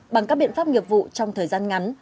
bằng các biện pháp nghiệp vụ trong thời gian ngắn